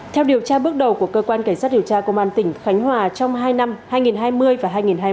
theo điều tra bước đầu của cơ quan cảnh sát điều tra công an tỉnh khánh hòa trong hai năm hai nghìn hai mươi và hai nghìn hai mươi một